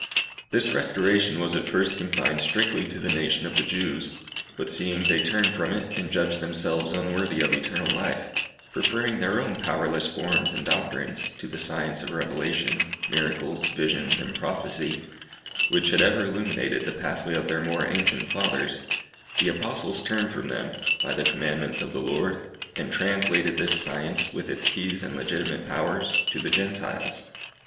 This restoration was at first confined strictly to the nation of the Jews. But seeing they turned from it, and judged themselves unworthy of eternal life, preferring their own powerless forms and doctrines, to the science of revelation, miracles, visions, and prophecy, which had ever illuminated the pathway of their more ancient fathers, the Apostles turned from them, by the commandment of the Lord, and translated this science, with its keys and legitimate powers, to the Gentiles.